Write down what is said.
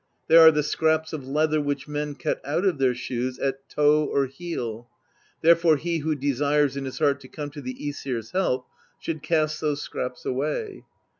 (They are the scraps of leather which men cut out of their shoes at toe or heel; therefore he who desires in his heart to come to the iEsir's help should cast those scraps away.)